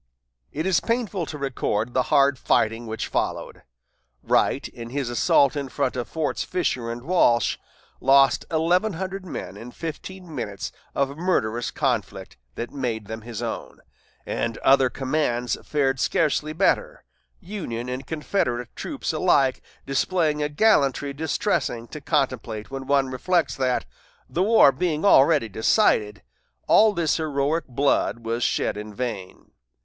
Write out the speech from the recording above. It is painful to record the hard fighting which followed. Wright, in his assault in front of Forts Fisher and Walsh, lost eleven hundred men in fifteen minutes of murderous conflict that made them his own; and other commands fared scarcely better, Union and Confederate troops alike displaying a gallantry distressing to contemplate when one reflects that, the war being already decided, all this heroic blood was shed in vain.